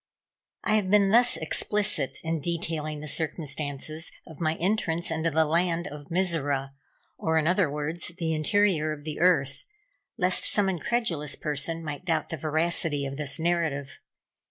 I have been thus explicit in detailing the circumstances of my entrance into the land of Mizora, or, in other words, the interior of the earth, lest some incredulous person might doubt the veracity of this narrative.